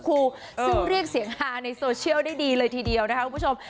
ซึ่งเรียกเสียงฮาในโซเชียลได้ดีเลยทีเดียวนะคะคุณผู้ชม